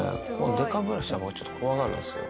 デカブラシは怖がるんですよ。